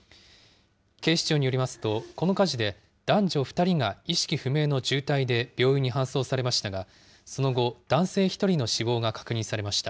警視庁によりますと、この火事で、男女２人が意識不明の重体で病院に搬送されましたが、その後、男性１人の死亡が確認されました。